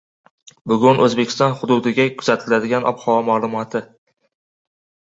Bugun O‘zbekiston hududiga kuzatiladigan ob-havo malumoti